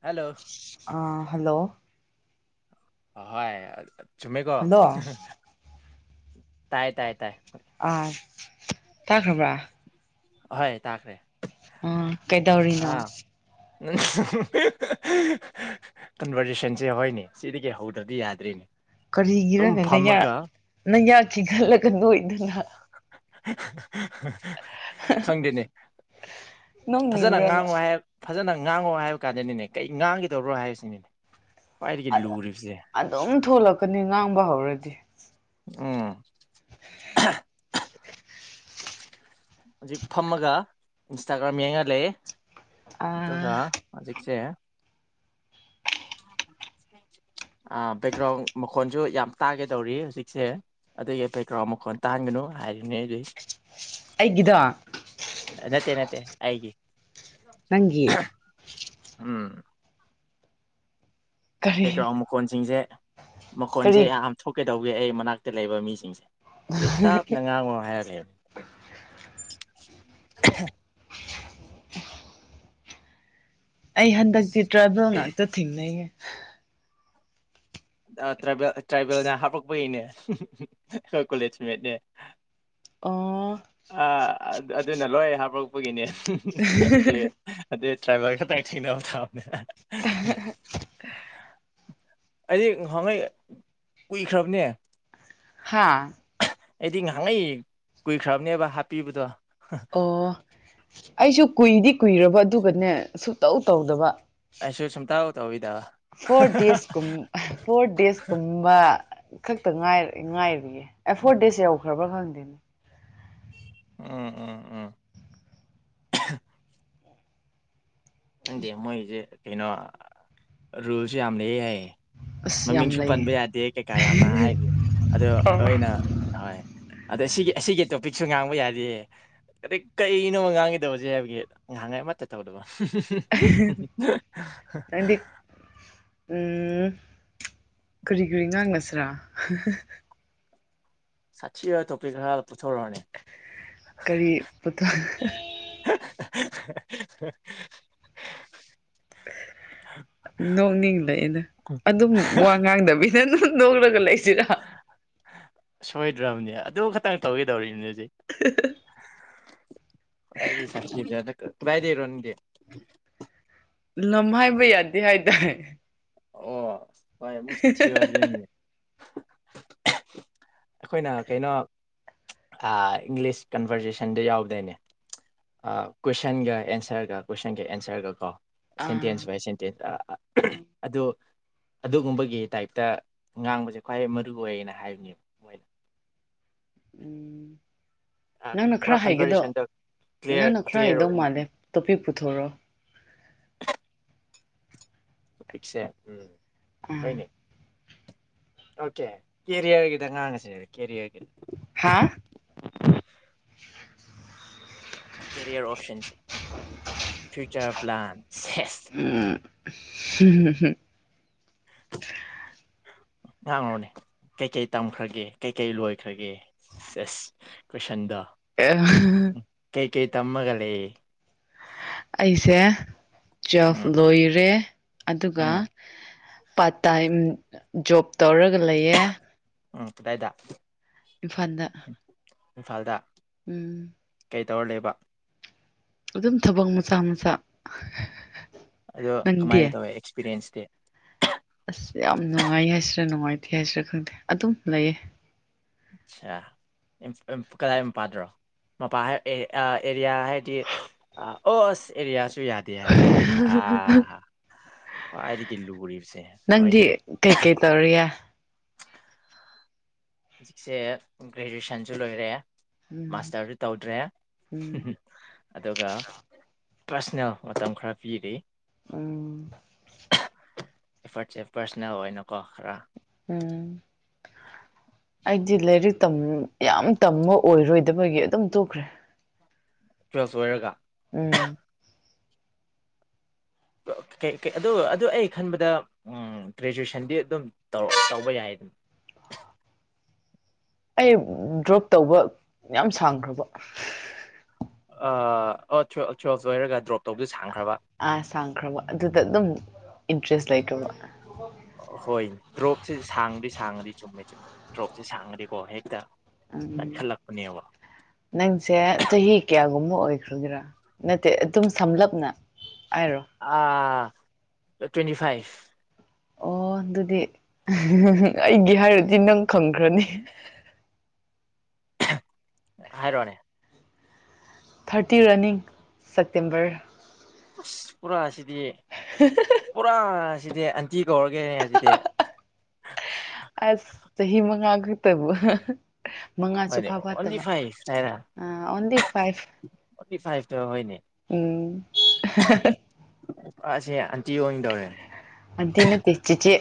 hello ꯑꯥ hello ꯍꯣꯏ ꯆꯨꯝꯃꯦꯀꯣ ꯍꯜꯂꯣ ꯇꯥꯏ ꯇꯥꯏ ꯇꯥꯏ ꯑ ꯇꯥꯈ꯭ꯔꯕ꯭ꯔꯥ ꯍꯣꯏ ꯇꯥꯈ꯭ꯔꯦ ꯑꯥ ꯀꯩꯗꯧꯔꯤꯅꯣ ꯑꯥ ꯀꯟꯚꯔꯖꯦꯁꯟꯁꯦ ꯍꯣꯏꯅꯦ ꯁꯤꯗꯤ ꯀꯩꯍꯧꯗ꯭ꯔꯕꯗꯤ ꯌꯥꯗ꯭ꯔꯤꯅꯦ ꯑꯗꯨꯝ ꯀꯔꯤꯒꯤꯔꯅꯦ ꯅꯌꯥ ꯐꯝꯃꯒ ꯅꯪꯌꯥ ꯈꯤꯒꯠꯂꯒ ꯅꯣꯛꯏꯗꯨꯅ ꯍꯥꯏ ꯈꯪꯗꯦꯅꯦ ꯐꯖꯅ ꯅꯣꯛꯅꯤꯡꯕ꯭ꯔꯕ ꯉꯥꯡꯉꯨ ꯍꯥꯏꯔ ꯐꯖꯅ ꯉꯥꯡꯉꯣ ꯍꯥꯏꯕ ꯀꯥꯟꯗꯅꯤꯅꯦ ꯀꯩ ꯉꯥꯡꯈꯤꯗꯧꯔꯣ ꯍꯥꯏꯕꯁꯤꯅꯤꯅꯦ ꯈ꯭ꯋꯥꯏꯗꯒꯤ ꯂꯨꯔꯤꯕꯁꯦ ꯑꯗꯨꯝ ꯊꯣꯛꯣꯂꯛꯀꯅꯤ ꯉꯥꯡꯕ ꯍꯧꯔꯗꯤ ꯎꯝ ꯍꯧꯖꯤꯛ ꯐꯝꯃꯒ ꯏꯟꯁꯇꯥꯒ꯭ꯔꯥꯝ ꯌꯦꯡꯉ ꯂꯩꯦ ꯑꯥ ꯑꯗꯨꯒ ꯍꯧꯖꯤꯛꯁꯦ ꯕꯦꯛꯒ꯭ꯔꯥꯎꯟ ꯃꯈꯣꯟꯜꯁꯨ ꯌꯥꯝ ꯇꯥꯒꯦꯗꯧꯔꯤ ꯍꯧꯖꯤꯛꯁꯦ ꯑꯗꯨꯒꯤ ꯕꯦꯛꯒ꯭ꯔꯥꯎꯟ ꯃꯈꯣꯟ ꯇꯥꯡꯒꯅꯨ ꯍꯥꯏꯔꯤꯅꯦ ꯑꯗꯨꯛ ꯑꯩꯒꯤꯗꯣ ꯅꯠꯇꯦ ꯅꯠꯇ ꯑꯩꯒꯤꯦ ꯅꯪꯒꯤ ꯎꯝ ꯀꯔꯤ ꯕꯦꯛꯒ꯭ꯔꯥꯎꯟ ꯃꯈꯣꯟꯁꯤꯡꯁꯦ ꯃꯈꯣꯟꯁꯦ ꯀꯔꯤ ꯌꯥꯝ ꯊꯣꯛ ꯀꯩꯗꯧꯒꯦ ꯑꯩ ꯃꯅꯥꯛꯇ ꯂꯩꯕ ꯃꯤꯁꯤꯡꯁꯦ ꯑꯗꯩ ꯇꯥꯞꯅ ꯉꯥꯡꯉꯣ ꯍꯥꯏꯔꯛꯂꯦꯕ [unintelligible] [inaudible] ꯑꯩ ꯍꯟꯗꯛꯇꯤ ꯇ꯭ꯔꯥꯚꯦꯜ ꯉꯥꯛꯇ ꯊꯦꯡꯅꯩꯌꯦꯦ ꯇ꯭ꯔꯥꯏꯕꯦꯜ ꯇ꯭ꯔꯥꯏꯕꯦꯜꯅ ꯍꯥꯞꯄꯛꯄꯒꯤꯅꯦ ꯑꯩꯣꯏ ꯀꯣꯂꯦꯖꯃꯦꯠꯅꯦ ꯑ ꯑꯗꯨꯅ ꯂꯣꯏ ꯍꯥꯞꯣꯔꯛꯄꯒꯤꯅꯦ ꯑꯗꯦ ꯑꯗꯦ ꯇ꯭ꯔꯥꯏꯚꯔ ꯇꯥꯏ ꯊꯦꯡꯅꯅꯕꯣ ꯊꯝꯅꯦ [unintelligible] [inaudible] ꯑꯩꯁ ꯉꯍꯥꯟꯉꯩ ꯀꯨꯏꯈ꯭ꯔꯕꯅꯦ ꯍꯥꯥ ꯑꯩꯗꯤ ꯉꯍꯥꯛꯅꯩ ꯀꯨꯏꯈ꯭ꯔꯕꯅꯦꯕ ꯍꯥꯞꯄꯤꯕꯗꯣ ꯑꯣ ꯑꯩꯁꯨ ꯀꯨꯏꯗꯤ ꯀꯨꯏꯔꯕ ꯑꯗꯨꯒꯅꯦ ꯁ ꯇꯧ ꯇꯧꯗꯕ ꯑꯩꯁꯨ ꯁꯨꯝꯇꯧ ꯇꯧꯋꯤꯗ ꯐꯔ ꯗꯦꯁ ꯀꯨꯝ ꯐꯔꯦꯁ ꯀꯨꯝꯕ ꯈꯛꯇ ꯉꯥꯏ ꯉꯥꯏꯔꯤꯌꯦꯦ ꯑꯦ ꯐꯣꯔ ꯗꯦꯖ ꯌꯧꯈ꯭ꯔꯕ꯭ꯔꯥ ꯈꯪꯗꯦꯅꯦ ꯎꯝ ꯎꯝ ꯎꯝ ꯑꯗꯤ ꯃꯣꯏꯁꯦ ꯀꯩꯅꯣ ꯔꯨꯜꯁꯨ ꯌꯥꯝ ꯂꯩ ꯍꯥꯏꯌꯦ ꯑꯁ ꯌꯥꯝ ꯃꯃꯤꯡꯁꯨ ꯂꯩꯌꯦ ꯄꯟꯕ ꯌꯥꯗꯦ ꯀꯩꯀꯥ ꯌꯥꯝꯅ ꯍꯥꯏꯔꯤ ꯑꯗꯣ ꯂꯣꯏꯅ ꯍꯣꯏ ꯑꯗ ꯑꯁꯤꯒꯤ ꯑꯁꯤꯒꯤ ꯇꯣꯄꯤꯛꯁꯨ ꯉꯥꯡꯕ ꯌꯥꯗꯦ ꯀꯩ ꯀꯅꯣꯃ ꯉꯥꯡꯈꯤꯗꯕꯁꯦ ꯍꯥꯏꯕꯒꯤ ꯉꯍꯉ ꯑꯃꯠꯇ ꯇꯧꯗꯕ ꯅꯪꯗꯤ [unintelligible] ꯎꯝ ꯀꯔꯤ ꯀꯨꯔꯤ ꯉꯥꯡꯅꯁꯤ꯭ꯔꯥ ꯁꯥꯊꯤꯕ ꯇ‌ꯣꯄꯤꯛ ꯈꯔꯥ ꯀꯔꯤ ꯄꯨꯊ [unintelligible] ꯅꯣꯛꯅꯤꯡꯂꯛꯦꯅ ꯑꯗꯨꯝ ꯋꯥ ꯉꯥꯡꯗꯕꯤꯗ ꯅ‌ꯣꯛꯂꯒ ꯂꯩ ꯁꯤꯗꯥ ꯁꯣꯏꯗ꯭ꯔꯕꯅꯦ ꯑꯗꯨ ꯈꯇꯪ ꯇꯧꯒꯦꯗꯧꯔꯤꯕꯅꯤꯗꯤ [unintelligible] ꯀꯔꯥꯏꯗꯩꯩꯔꯣ ꯅꯪꯗꯤ ꯂꯝ ꯍꯥꯏꯕ ꯌꯥꯗꯦ ꯍꯥꯏꯗꯥꯏ ꯑꯣ [unintelligible] ꯑꯩꯈꯣꯏꯅ ꯀꯩꯅꯣ ꯏꯪꯂꯤꯁ ꯀꯟꯚꯔꯖꯦꯁꯟꯗ ꯌꯥꯎꯕꯗꯩꯅꯦ ꯀꯣꯏꯁꯟꯒ ꯑꯦꯟꯁꯔꯒ ꯀꯣꯏꯁꯟꯒ ꯑꯦꯟꯁꯔꯒ ꯀꯣ ꯁꯦꯟꯇꯦꯟꯁ ꯑꯥ ꯚꯥꯏ ꯁꯦꯟꯇꯁ ꯑꯥ ꯑ ꯑꯗꯨ ꯑꯗꯨꯒꯨꯝꯕꯒꯤ ꯇꯥꯏꯞꯇ ꯉꯥꯡꯕꯁꯦ ꯈ꯭ꯋꯥꯏ ꯃꯔꯨꯑꯣꯏꯌꯦꯅ ꯍꯥꯏꯕꯅꯦꯕ ꯃꯣꯏꯅ ꯎꯝ ꯅꯪꯅꯥ ꯄꯨꯔꯥ ꯈꯔ ꯍꯥꯏꯒꯗꯧ ꯀꯟꯚꯔꯖꯦꯁꯟꯗ ꯀ꯭ꯂꯤꯌꯥꯔ ꯅꯪꯅ ꯈꯔ ꯀ꯭ꯂꯤꯌꯥꯔ ꯍꯥꯏꯗꯧ ꯑꯣꯏꯅ ꯃꯥꯜꯂꯦ ꯇꯣꯞꯄꯤ ꯑꯊꯔꯣ ꯄꯤꯁꯦ ꯎꯝ ꯎ ꯑꯣꯀꯦ ꯀꯦꯔꯤꯌꯔꯒꯤꯗ ꯉꯥꯡꯉꯁ ꯀꯦꯔꯤꯌꯔꯒꯤꯅ ꯍꯥꯥ ꯀꯦꯔꯤꯌꯔ ꯑꯣꯞꯁꯟꯁ ꯐꯨꯆꯔ ꯄ꯭ꯂꯟ ꯁꯦꯁ ꯍꯝ ꯍꯝ ꯍꯝ ꯅꯥꯡꯉꯣꯅꯦ ꯀꯩꯀꯩ ꯇꯝꯈ꯭ꯔꯒꯦ ꯀꯩꯀꯩ ꯂꯣꯏꯈ꯭ꯔꯒꯦ ꯁ‌ꯦꯁ ꯀꯣꯏꯁꯟꯗ ꯑꯥ ꯀꯦ ꯇꯃꯃꯒꯥ ꯑꯩꯁꯦ ꯇꯨ꯭ꯋ‌ꯦꯜ꯭ꯐ ꯎꯝ ꯂꯣꯏꯔꯦ ꯑꯗꯨꯒ ꯎꯝ ꯄꯥꯔꯠ ꯇꯥꯏꯝ ꯖꯣꯕ ꯇꯧꯔꯒ ꯂꯩꯌꯦ ꯎꯝ ꯀꯗꯥꯏꯗ ꯏꯝꯐꯥꯟꯗ ꯏꯝꯐꯥꯜꯗ ꯎꯝ ꯇꯧꯔꯂꯩꯕ ꯑꯗꯨꯝ ꯊꯕꯛ ꯃꯆꯥ ꯃꯆꯥ ꯑꯗꯣ ꯀꯃꯥꯏꯅ ꯅꯪꯗꯤ ꯇꯧꯋꯦ ꯑꯦꯛꯁꯄꯤꯔꯤꯌꯦꯟꯁ [unintelligible] ꯑꯁ ꯌꯥꯝ ꯅꯨꯡꯉꯥꯏ ꯍꯥꯏꯁꯤꯔꯥ ꯅꯨꯡꯉꯥꯏꯇꯦ ꯍꯥꯏꯁꯤꯔꯥ ꯈꯪꯗꯦ ꯑꯗꯨꯝ ꯂꯩꯌꯦ ꯑ ꯀꯗꯥꯏ ꯃꯄꯥꯗ꯭ꯔꯣ ꯃꯄꯥ ꯑꯦꯔꯤꯌꯥ ꯍꯥꯏꯗꯤ ꯑꯣ ꯑꯁ ꯑꯦꯔꯤꯌꯥ ꯁꯨ ꯌꯥꯗꯦ ꯍꯥꯏꯕ ꯑꯥ ꯈ꯭ꯋꯥꯏꯗꯒꯤ ꯂꯨꯔꯤꯕꯁꯦ ꯅꯪꯗꯤ ꯍꯣꯏꯅꯦ ꯀꯩꯀꯩ ꯇꯧꯔꯤꯌꯦ ꯍꯧꯖꯤꯛꯁꯦ ꯒ꯭ꯔꯦꯖꯨꯑꯦꯁꯟꯁꯨ ꯂꯣꯏꯔꯦ ꯎꯝ ꯃꯥꯁꯇꯔꯗꯨ ꯇꯧꯗ꯭ꯔꯦ ꯎꯝ ꯑꯗꯨꯒ ꯄ꯭ꯔꯁꯅꯦꯜ ꯃꯇꯝ ꯈꯔ ꯄꯤꯔꯤ ꯎꯝ ꯑꯦꯐꯔꯠꯁꯦ ꯄꯥꯔꯁꯣꯅꯦꯜ ꯑꯣꯏꯅꯀꯣ ꯈꯔ ꯎꯝ ꯑꯩꯗꯤ ꯂꯩꯔꯤ ꯇꯝ ꯌꯥꯝ ꯇꯝ ꯑꯣꯏꯔꯣꯏꯗꯕꯒꯤ ꯑꯗꯨꯝ ꯇꯣꯛꯈ꯭ꯔꯦ ꯇꯨꯋꯦꯜꯁ ꯑꯣꯏꯣꯏꯔꯒ ꯎꯝ ꯑꯗꯨ ꯑꯩ ꯈꯟꯕꯗ ꯒ꯭ꯔꯦꯖꯨꯋꯦꯁꯟꯗꯤ ꯑꯗꯨꯝ ꯇꯧꯕ ꯌꯥꯏ ꯑꯗꯨꯅ ꯑꯩ ꯗ꯭ꯔꯣꯞ ꯇꯧꯕ ꯌꯥꯝ ꯁꯥꯡꯈ꯭ꯔꯕ ꯑ ꯑꯣ [unintelligible] ꯂꯣꯏꯔꯒ ꯗ꯭ꯔꯣꯞ ꯇꯧꯗꯁ ꯑ ꯁꯥꯀ꯭ꯔꯃ ꯑꯗꯨꯗ ꯑꯗꯨꯝ ꯏꯟꯇꯔꯦꯁ ꯂꯩꯇꯧꯕ ꯍꯣꯏ ꯗ꯭ꯔꯣꯞꯁ ꯁꯥꯡꯗꯤ ꯁꯥꯡꯒꯗꯤ ꯆꯨꯝꯃꯦ ꯆꯨꯝꯃꯦ ꯗ꯭ꯔꯣꯞꯁꯤꯦ ꯁꯥꯡꯅꯤ ꯀꯣ ꯍꯦꯛꯗ ꯎꯝ ꯅꯪꯁꯦ ꯆꯍꯤ ꯀꯌꯥꯒꯨꯝꯕ ꯑꯣꯏꯈ꯭ꯔꯒꯦꯔꯥ ꯅꯠꯇꯦ ꯑꯗꯨꯝ ꯁꯝꯂꯞꯅ ꯍꯥꯏꯔꯣ ꯑꯥ ꯇ꯭ꯋꯦꯟꯇꯤ ꯐꯥꯏꯚ ꯑꯣ ꯑꯗꯨꯗꯤ ꯑꯩꯒꯤ ꯍꯥꯏꯔꯗꯤ ꯅꯪ ꯈꯪꯈ꯭ꯔꯅꯤ ꯍꯥꯏꯔꯣꯅꯦ ꯊꯥꯔꯇꯤ ꯔꯅꯤꯡ ꯁꯦꯞꯇꯦꯝꯕꯔ ꯄꯨꯔꯥ ꯑꯁꯤ ꯄꯨꯔꯥ ꯑꯁꯤꯗꯤ ꯑꯟꯇꯤ ꯀꯧꯔꯒꯦꯅꯦ ꯑꯁꯤꯗꯤ ꯑꯁ ꯆꯍꯤꯍꯤ ꯃꯉꯒ ꯇꯕ ꯃꯉꯥꯁꯨ ꯍꯣꯏꯅꯦ ꯐꯥ ꯑꯣꯟꯂꯤ ꯐꯥꯠꯇꯕ ꯐꯥꯏꯚ ꯍꯥꯏꯔ ꯑ ꯑꯣꯟꯂꯤ ꯐꯥꯏꯚ ꯑꯣꯟꯂꯤ ꯐꯥꯏꯚꯇ ꯍꯣꯏꯅꯦ ꯎꯝ ꯑꯁꯦ ꯑꯟꯇꯤ ꯑꯣꯏꯗꯧꯔꯦ ꯑꯗꯅ ꯇꯦꯁꯤꯤꯁꯦ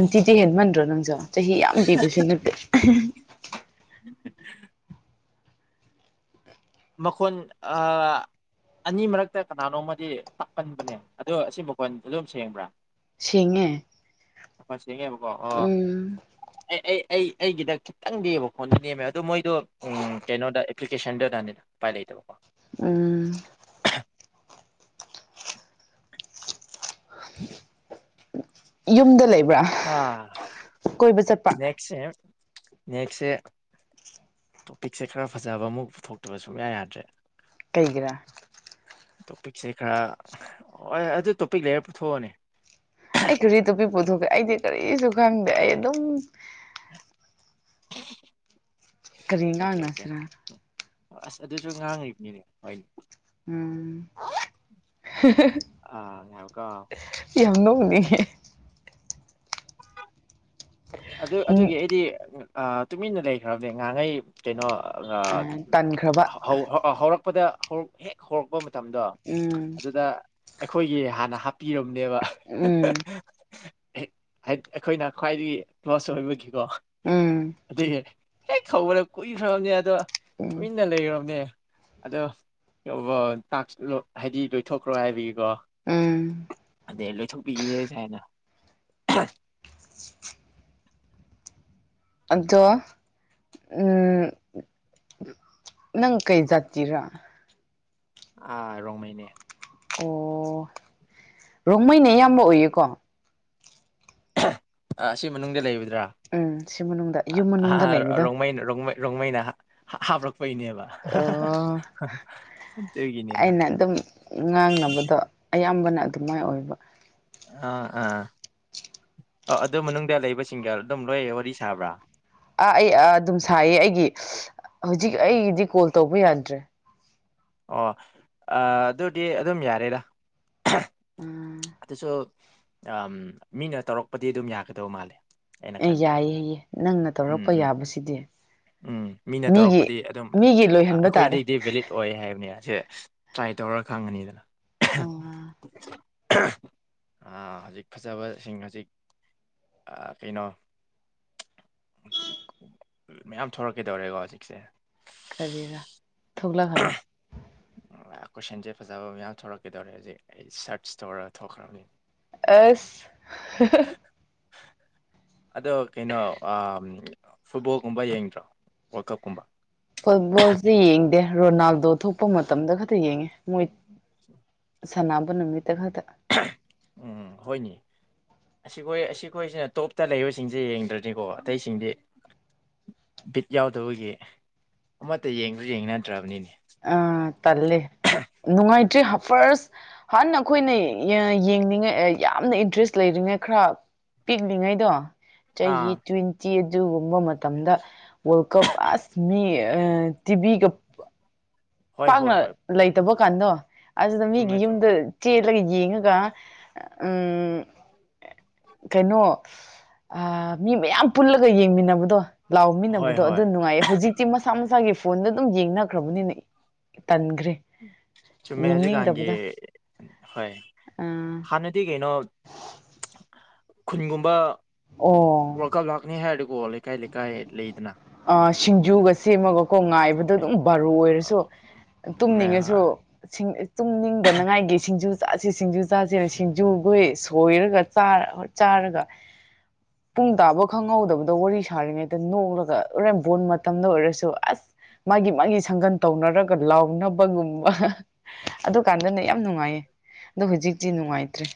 ꯑꯟꯇꯤꯗꯤ ꯍꯦꯜꯂꯃꯦꯟ ꯗꯔꯣ ꯅꯪꯖ ꯆꯍꯤ ꯌꯥꯝ ꯄꯕꯁꯨ ꯅꯠꯇꯦ ꯃꯈꯣꯟ ꯑꯅꯤ ꯃꯔꯛꯇ ꯀꯅꯥꯅꯣꯃꯗꯤ ꯇꯥꯛꯀꯟꯕꯅꯦ ꯑꯗꯣ ꯑꯁꯤ ꯃꯈꯣꯟ ꯑꯗꯨꯝ ꯁꯦꯡꯕ꯭ꯔꯥ ꯁꯦꯡꯉꯦ ꯐꯁ ꯁꯦꯡꯉꯦꯕꯀꯣ ꯑ ꯎꯝ ꯑꯩ ꯑꯩꯒꯤꯗ ꯈꯤꯇꯪ ꯅꯦꯕ ꯈꯣꯟꯗ ꯅꯦꯝꯃꯦ ꯑꯗꯣ ꯃꯣꯏꯗꯣ ꯀꯩꯅꯣꯗ ꯑꯦꯄ꯭ꯂꯤꯀꯦꯁꯟꯗꯨꯗꯅꯤꯅ ꯄꯥꯏ ꯂꯩꯇꯕꯀꯣ ꯎꯝ ꯌꯨꯝꯗ ꯂꯩꯕ ꯑꯥ ꯅꯦꯛꯁ ꯅꯦꯛꯁꯁꯦ ꯇꯣꯄꯤꯛꯁꯦ ꯈꯔ ꯐꯖꯕ ꯑꯃꯨꯛ ꯄꯨꯊꯣꯛꯇꯕ ꯁꯨꯛꯌꯥ ꯌꯥꯗ꯭ꯔꯦ ꯀꯩꯒꯤꯔ ꯇꯣꯄꯤꯛꯁꯦ ꯈꯔ ꯍ ꯑꯗꯨ ꯇꯣꯄꯤꯛ ꯂꯩꯔ ꯄꯨꯊꯣꯛꯑꯅꯦ ꯑꯩ ꯀꯔꯤ ꯇꯣꯞꯄꯤꯛ ꯄꯨꯊꯣꯛꯈ꯭ꯔꯦ ꯑꯩꯗꯤ ꯀꯔꯤꯁꯨ ꯈꯪꯗꯦ ꯑꯩ ꯑꯗꯨꯝ ꯎ ꯏ ꯀꯔꯤ ꯉꯡꯅꯁꯤꯔ ꯑꯁ ꯑꯗꯨꯁꯨ ꯉꯥꯡꯉꯕꯅꯤꯅꯦ ꯍꯣꯏꯅꯦ ꯎꯝ ꯑꯥ ꯉꯥꯏꯈꯣꯀꯣ ꯌꯥꯝꯅꯣ ꯎ ꯑꯗꯨꯗ ꯎꯝ ꯑꯗꯨꯒꯤꯗꯤ ꯇꯨꯃꯤꯟꯅ ꯂꯩꯈ꯭ꯔꯕꯅꯦ ꯉꯍꯉꯩ ꯀꯩꯅꯣ ꯇꯟꯈ꯭ꯔꯕ ꯍꯧꯔꯛꯄꯗ ꯍꯔꯛ ꯍꯦꯛ ꯍꯔꯛ ꯃꯇꯝꯗꯣ ꯎꯝ ꯑꯗꯨꯗ ꯑꯩꯈꯣꯏꯒꯤ ꯍꯥꯟꯅ ꯍꯥ ꯄꯤꯔꯝꯅꯦꯕ ꯎꯝ ꯑꯩꯈꯣꯏꯅ ꯈ꯭ꯋꯥꯏꯗꯒꯤ ꯁ ꯑꯣꯏꯕꯒꯤ ꯣ ꯎꯝ ꯑꯗꯨꯦ ꯍꯦꯛ ꯀꯧꯕꯅ ꯀꯨꯏꯈ꯭ꯔꯕꯅꯦ ꯑꯗꯣ ꯎꯝ ꯏꯟꯅ ꯂꯩꯅꯦ ꯑꯗꯣ ꯍꯥꯏꯗꯤ ꯂꯣꯏꯊꯣꯛꯈ꯭ꯔꯣ ꯍꯥꯏꯕꯒꯤꯀꯣ ꯎꯝ ꯑꯗꯩ ꯂꯣꯏꯊꯣꯛꯄꯤꯒꯦ ꯁ ꯍꯥꯃꯦꯏꯅ [inaudible] ꯑꯗꯣ ꯎꯝ ꯅꯪ ꯀꯩ ꯖꯥꯇꯤꯔ ꯑꯥ ꯔꯣꯡꯃꯩꯅꯦ ꯑꯣ ꯔꯣꯡꯃꯩꯅ ꯑꯌꯥꯝꯕ ꯑꯣꯏꯌꯦꯀꯣ ꯑꯁꯤ ꯃꯅꯨꯡꯗ ꯂꯩꯕꯗ ꯎꯝ ꯁꯤ ꯃꯅꯨꯡꯗ ꯌꯨꯝ ꯃꯅꯨꯡꯗ ꯂꯩꯕꯗ ꯔꯣꯡꯃꯥꯏꯅꯥ ꯍꯥꯞꯂꯛ ꯑꯣ ꯑꯩꯅ ꯑꯗꯨꯝ ꯉꯥꯡꯅꯕꯗꯣ [unintelligible] ꯑꯌꯥꯝꯕꯅ ꯑꯗꯨꯃꯥꯏꯅ ꯑꯣꯏꯕ ꯑꯥ ꯑꯥ ꯑꯣ ꯑꯗꯨ ꯃꯅꯨꯡꯗ ꯂꯩꯕ ꯁꯤꯡꯒꯔ ꯑꯗꯨꯝ ꯂꯣꯏ ꯋꯥꯔꯤ ꯁꯥꯕ꯭ꯔꯥ ꯑꯥ ꯑꯩ ꯑ ꯑꯗꯨꯝ ꯁꯥꯏꯌꯦ ꯑꯩꯒꯤ ꯍꯧꯖꯤꯛ ꯑꯩꯗꯤ ꯀꯣꯜ ꯇꯧꯕ ꯌꯥꯗ꯭ꯔꯦ ꯑꯣ ꯑꯗꯨꯗꯤ ꯑꯗꯨꯝ ꯌꯥꯔꯦꯔꯥ ꯎꯝ ꯑ ꯃꯤꯅ ꯇꯧꯔꯛꯄꯗꯤ ꯑꯗꯨꯝ ꯌꯥꯒꯗꯧ ꯃꯥꯜꯂꯦ ꯑꯩꯅ ꯑꯦ ꯈꯟꯕꯗ ꯌꯥꯏꯌꯦ ꯅꯪꯅ ꯎꯝ ꯇꯧꯔꯛꯄ ꯎꯝ ꯌꯥꯕꯁꯤꯗꯤ ꯎꯝ ꯃꯤꯅ ꯃꯤꯒꯤ ꯇꯧꯔꯛꯄꯗꯤ ꯑꯗꯨꯝ ꯃꯤꯒꯤ ꯂꯣꯏꯍꯟꯕ ꯇꯥꯔꯦ ꯁꯦ ꯇ꯭ꯔꯥꯏ ꯇꯧꯔ ꯈꯪꯉꯅꯤꯗꯅ ꯑꯥ [unintelligible] ꯍꯧꯖꯤꯛ ꯐꯖꯕꯁꯤꯡ ꯍꯧꯖꯤꯛ ꯀꯩꯅꯣ ꯃꯌꯥꯝ ꯊꯣꯛꯣꯔꯛꯀꯦꯗꯧꯔꯦꯀꯣ ꯍꯧꯖꯤꯛꯁꯦ ꯀꯔꯤꯔꯥ ꯊꯣꯛꯂꯛꯍꯜꯂꯣ ꯀꯣꯏꯁꯟꯁꯦ ꯐꯖꯕ ꯃꯌꯥꯝ ꯊꯣꯛꯂꯛꯀꯦꯗꯧꯔꯦ ꯍꯧꯖꯤꯛ ꯑꯩ ꯁꯔꯆ ꯇꯧꯔ ꯊꯣꯛꯈ꯭ꯔꯕꯅꯤ ꯑꯁ [unintelligible] ꯑꯗꯣ ꯀꯩꯅꯣ ꯐꯨꯠꯕꯣꯜꯒꯨꯝꯕ ꯌꯦꯡꯗ꯭ꯔꯣ ꯋꯥꯔꯜ ꯀꯞꯀꯨꯝꯕ ꯐꯨꯠꯕꯣꯜꯁꯦ ꯌꯦꯡꯗꯦ ꯔꯣꯅꯥꯜꯗꯣ ꯑꯗꯣ ꯊꯣꯛꯄ ꯃꯇꯝꯗ ꯈꯛꯇ ꯌꯦꯡꯉꯦ ꯃꯣꯏ [unintelligible] ꯁꯅꯥꯕ ꯅꯨꯃꯤꯠ [unintelligible] ꯍꯣꯏꯅꯦ ꯑꯁꯤꯈꯣꯏ ꯑꯁꯤꯈꯣꯏꯁꯤꯅ ꯇꯣꯞꯇ ꯂꯩꯕꯁꯤꯡꯁꯦ ꯌꯦꯡꯗ꯭ꯔꯅꯤꯀꯣ ꯑꯇꯩꯁꯤꯡꯗꯤ ꯕꯤꯠ ꯌꯥꯎꯗꯕꯒꯤ ꯑꯃꯠꯇ ꯌꯦꯡꯁꯨ ꯌꯦꯡ ꯅꯗ꯭ꯔꯕꯅꯤꯅꯦ ꯑꯝ ꯇꯜꯂꯦ ꯅꯨꯡꯉꯥꯏꯇꯦ ꯐꯥꯔꯁ ꯍꯥꯟꯅ ꯑꯩꯈꯣꯏꯅ ꯌꯦꯡꯅꯤꯡꯉꯥꯏ ꯌꯥꯝꯅ ꯏꯟꯇꯔꯦꯁ ꯂꯩꯔꯤꯉꯩ ꯈꯔ ꯄꯤꯛꯂꯤꯉꯩꯗꯣ ꯆꯍꯤ ꯑꯥ ꯇꯋꯤꯟꯇꯤ ꯑꯗꯨꯒꯨꯝꯕ ꯃꯇꯝꯗ ꯋꯥꯔꯜ ꯀꯞ ꯑꯁ ꯃꯤ ꯇꯤꯚꯒ ꯍꯣꯏ ꯍꯣꯏ ꯄꯥꯛꯅ ꯍꯣꯏ ꯂꯩꯇꯕ ꯀꯗꯣ ꯑꯁꯗ ꯃꯤꯒꯤ ꯆꯨꯝꯃꯦ ꯆꯨꯝꯃꯦ ꯌꯨꯝꯗ ꯆꯦ ꯆꯠꯂꯒ ꯌꯦꯡꯉꯒ ꯀꯩꯅꯣ ꯃꯤ ꯃꯌꯥꯝ ꯄꯨꯜꯂꯒ ꯌꯦꯡꯃꯤꯟꯅꯕꯗꯣ ꯍꯣꯏ ꯂꯥꯎꯃꯤꯟꯅꯕꯗꯣ ꯍꯣꯏ ꯑꯗꯨ ꯅꯨꯡꯉꯥꯏꯌꯦ ꯍꯧꯖꯤꯛꯇꯤ ꯃꯁꯥ ꯃꯁꯥꯒꯤ ꯐꯣꯟꯗ ꯑꯗꯨꯝ ꯌꯦꯡꯅꯈ꯭ꯔꯕꯅꯤꯅꯦ ꯆꯨꯝꯃꯦ ꯍꯧꯖꯤꯛꯀꯥꯟꯒꯤ ꯌꯦꯡꯅꯤꯡꯗꯕꯗ ꯍꯣꯏ ꯑꯥ ꯍꯥꯟꯅꯗꯤ ꯀꯩꯅꯣ ꯈꯨꯟꯒꯨꯝꯕ ꯑꯣ ꯋꯥꯔ ꯀꯞ ꯂꯥꯛꯅꯤ ꯍꯥꯏ ꯀꯣ ꯂꯩꯀꯥꯏ ꯂꯩꯀꯥꯏ ꯂꯩꯗꯅ ꯀꯣꯡ ꯉꯥꯏꯕꯗ ꯑꯗꯨꯝ ꯕꯥꯔꯨ ꯑꯣꯏꯔꯁꯨ ꯆꯨꯝꯃꯦ ꯍꯣꯏ ꯇꯨꯝꯅꯤꯡꯉꯁꯨꯁꯤꯡ ꯇꯨꯡ ꯅꯤꯡꯗꯅꯉꯥꯏꯒꯤ ꯁꯤꯡꯖꯨ ꯁꯤ ꯁꯤꯡꯖꯨ ꯆꯥꯥꯁꯦ ꯁꯤꯡꯖꯨꯒꯨꯏ ꯁꯣꯏꯔꯒ ꯆꯥꯔꯒ ꯄꯨꯡ ꯇꯥꯕ ꯈꯪꯍꯧꯗꯕꯗꯣ ꯋꯥꯔꯤ ꯁꯥꯔꯤꯉꯩꯗ ꯅꯣꯂꯒ ꯂꯣꯔꯦꯟ ꯕꯣꯟ ꯃꯇꯝꯗ ꯑꯣꯏꯔꯁꯨ ꯑꯁ ꯃꯥꯒꯤ ꯃꯥꯒꯤ ꯁꯪꯒꯟ ꯇꯧꯅꯔꯒ ꯂꯥꯎꯅꯕꯒꯨꯝꯕ ꯑꯗꯨꯀꯥꯟꯗꯅ ꯌꯥꯝ ꯅꯨꯡꯉꯥꯏꯌꯦ ꯑꯗꯣ ꯍꯧꯖꯤꯛꯇꯛꯇꯤ ꯅꯨꯡꯉꯥꯏꯇ꯭ꯔꯦ